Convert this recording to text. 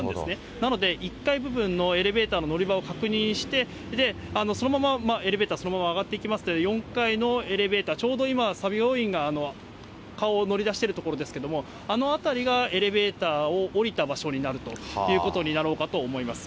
なので、１階部分のエレベーターの乗り場を確認して、そのままエレベーターそのまま上がっていきますと、４階のエレベーター、ちょうど今、作業員が顔を乗り出している所ですけれども、あの辺りが、エレベーターを下りた場所になるということになろうかと思います。